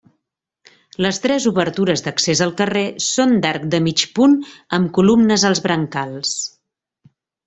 Les tres obertures d'accés al carrer són d'arc de mig punt amb columnes als brancals.